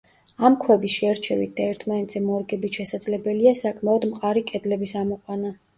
ამ ქვების შერჩევით და ერთმანეთზე მორგებით შესაძლებელია საკმაოდ მყარი კედლების ამოყვანა.